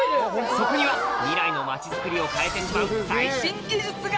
そこには未来の街づくりを変えてしまう最新技術が！